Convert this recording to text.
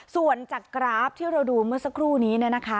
ส่วนจากกราฟที่เราดูเมื่อสักครู่นี้เนี่ยนะคะ